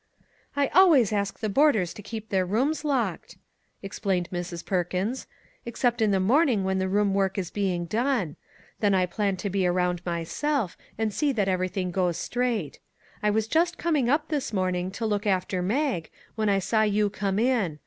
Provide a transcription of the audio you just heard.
" I always ask the boarders to keep their rooms locked," explained Mrs. Perkins, " ex cept in the morning when the room work is being done; then I plan to be around myself, and see that everything goes straight. I was just coming up this morning, to look after Mag, when I saw you come in.